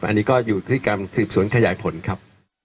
อันนี้ก็อยู่ที่การสืบสวนขยายผลครับ